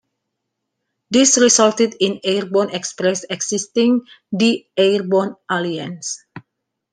This resulted in Airborne Express exiting the Airborne Alliance.